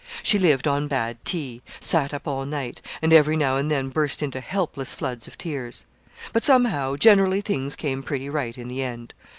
She lived on bad tea sat up all night and every now and then burst into helpless floods of tears. But somehow, generally things came pretty right in the end.